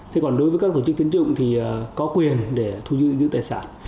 thế còn đối với các tổ chức tín dụng thì có quyền để thu dự tài sản